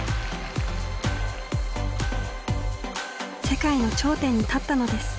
世界の頂点に立ったのです。